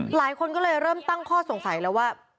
หลายคนก็เลยเริ่มตั้งข้อสงสัยแล้วว่า